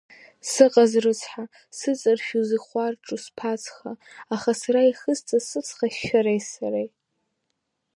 Сыҟаз рыцҳа, сыҵаршәыз ихәарҿу сԥацха, аха сара ихысҵаз сыцҳа шәареи сареи…